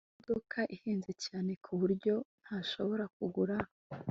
Iyo modoka ihenze cyane ku buryo ntashobora kugura